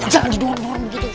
jangan di duan duan gitu